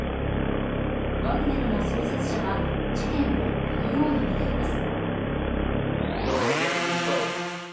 ワグネルの創設者は事件をこのように見ています。